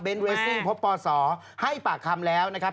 เวสซิ่งพบปศให้ปากคำแล้วนะครับ